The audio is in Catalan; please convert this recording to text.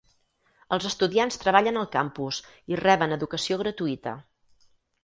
Els estudiants treballen al campus i reben educació gratuïta.